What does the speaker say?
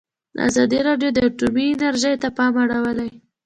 ازادي راډیو د اټومي انرژي ته پام اړولی.